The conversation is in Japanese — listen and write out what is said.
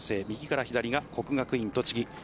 右から左が国学院栃木。